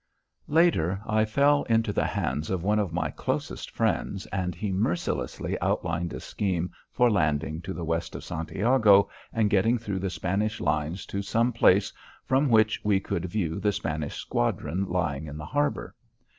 Later, I fell into the hands of one of my closest friends, and he mercilessly outlined a scheme for landing to the west of Santiago and getting through the Spanish lines to some place from which we could view the Spanish squadron lying in the harbour.